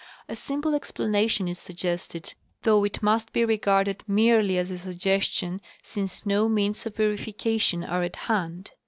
A simple explanation is suggested, though it must be regarded merely as a suggestion since no means of verification are at hand.